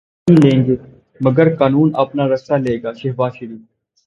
کسی سے بدلہ نہیں لیں گے مگر قانون اپنا راستہ لے گا، شہباز شریف